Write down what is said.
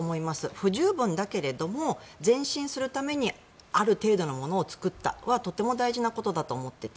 不十分だけども前進するためにある程度のものを作ったはとても大事なことだと思ってて。